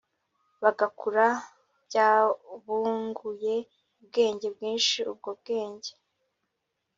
bagakura byabunguye ubwenge bwinshi ubwo bwenge